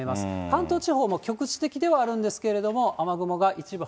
関東地方も局地的ではあるんですけれども、雨雲が一部、